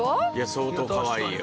相当かわいいよ。